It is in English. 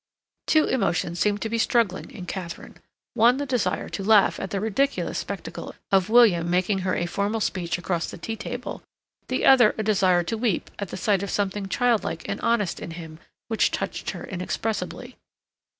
Two emotions seemed to be struggling in Katharine; one the desire to laugh at the ridiculous spectacle of William making her a formal speech across the tea table, the other a desire to weep at the sight of something childlike and honest in him which touched her inexpressibly.